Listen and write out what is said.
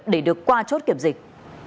để được qua chốt kiểm dịch